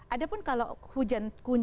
ada pun kalau hujan